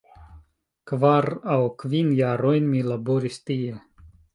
Kvar aŭ kvin jarojn, mi laboris tie.